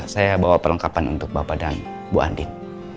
saya bawa perlengkapan untuk bapak dan bu andien